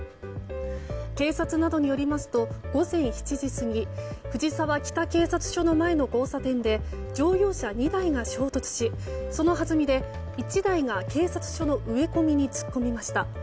警察などによりますと午前７時過ぎ藤沢北警察署の前の交差点で乗用車２台が衝突しそのはずみで１台が警察署の植え込みに突っ込みました。